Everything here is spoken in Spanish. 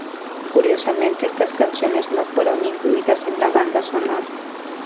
Curiosamente, estas canciones no fueron incluidas en la banda sonora.